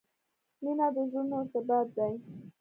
• مینه د زړونو ارتباط دی.